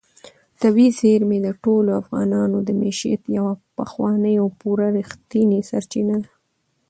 طبیعي زیرمې د ټولو افغانانو د معیشت یوه پخوانۍ او پوره رښتینې سرچینه ده.